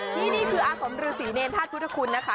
ที่นี่คืออาสมฤษีเนรธาตุพุทธคุณนะคะ